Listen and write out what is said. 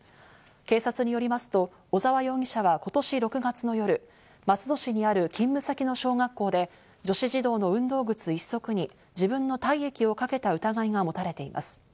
警察によりますと小沢容疑者は、今年６月の夜、松戸市にある勤務先の小学校で女子児童の運動靴１足に自分の体液をかけた疑いが持たれています。